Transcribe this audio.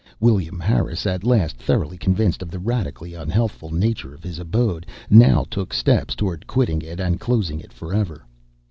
William Harris, at last thoroughly convinced of the radically unhealthful nature of his abode, now took steps toward quitting it and closing it for ever.